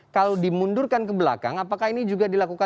kalau dimundurkan ke belakang apakah ini juga dilakukan